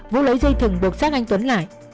vũ lấy dây thừng buộc sát anh tuấn lại